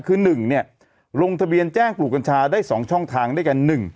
คือ๑ลงทะเบียนแจ้งปลูกกัญชาได้๒ช่องทางด้วยกัน